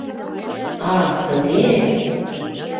— Ах, тыге?